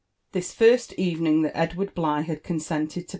This tirst evening that gd ward Bligh had cppspntpd tP P?